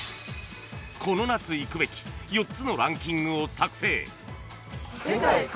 ［この夏行くべき４つのランキングを作成］